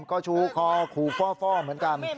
ก็ชูคอขู่ฟ่อเหมือนกัน